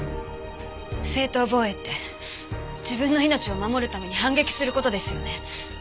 正当防衛って自分の命を守るために反撃する事ですよね？